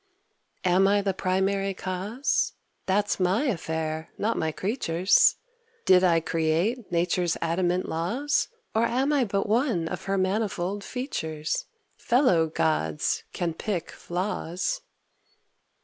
Am I the Primary Cause? That's my affair, not my creatures'. Did I create nature's adamant laws, Or am I but one of her manifold features? Fellow gods can pick flaws!